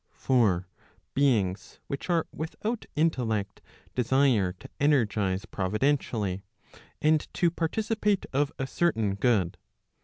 For beings which are without intellect desire to energize providentially, and to participate of a certain good.